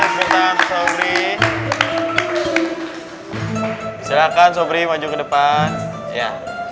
silakan sobri maju ke depan ya